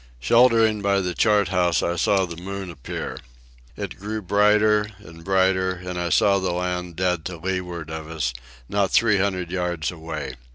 Sheltering by the chart house, I saw the moon appear. It grew brighter and brighter, and I saw the land, dead to leeward of us, not three hundred yards away.